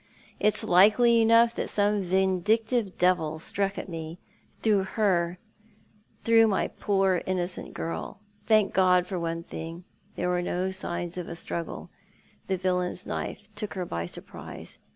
It's likely enough that some vindictive devil struck at me, through her, through my poor, innocent girl. Thank God for one tiling, there were no signs of a struggle. The villain's knife took her by surprise.